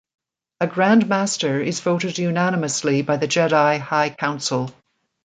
A Grand Master is voted unanimously by the Jedi High Council.